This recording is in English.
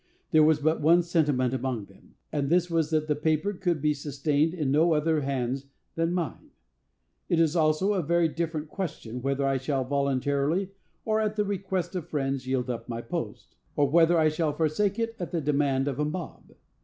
There was but one sentiment among them, and this was that the paper could be sustained in no other hands than mine. It is also a very different question, whether I shall voluntarily, or at the request of friends, yield up my post; or whether I shall forsake it at the demand of a mob.